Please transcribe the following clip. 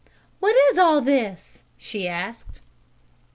"What is all this?" she asked.